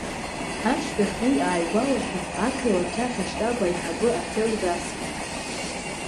Ашьҭахь уи ааигәалашәан, ақалақь ахь аштаб аиҳабы аҭел дасит.